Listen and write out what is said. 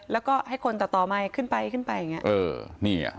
แล้วก็ให้คนต่อต่อไม่ขึ้นไปขึ้นไปอย่างเงี้ยเออนี่อ่ะ